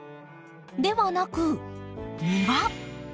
ではなく庭。